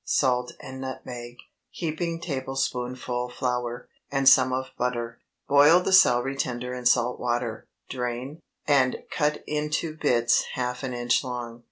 Salt and nutmeg. Heaping tablespoonful flour, and same of butter. Boil the celery tender in salted water; drain, and cut into bits half an inch long.